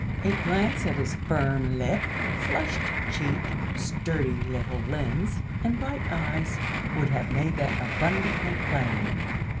A glance at his firm lip, flushed cheek, sturdy little limbs, and bright eyes, would have made that abundantly plain.